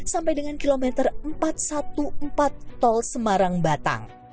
sampai dengan kilometer empat ratus empat belas tol semarang batang